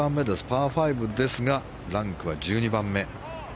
パー５ですがランクは１２番目。